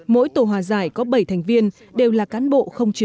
mỗi tổ hòa giải có bảy thành viên đều là cán bộ